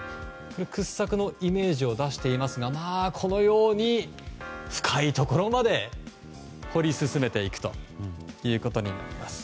掘削のイメージを出していますがまあこのように深いところまで掘り進めていくということになります。